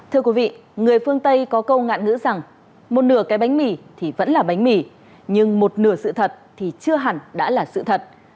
thưa quý vị người phương tây có câu ngạn ngữ rằng một nửa cái bánh mì thì vẫn là bánh mì nhưng một nửa sự thật thì chưa hẳn đã là sự thật